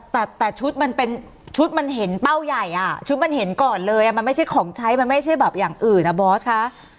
แต่ชุดมันเป็นชุดมันเห็นเป้าใหญ่อ่ะชุดมันเห็นก่อนเลยมันไม่ใช่ของใช้มันไม่ใช่แบบอย่างอื่นอ่ะบอสคะ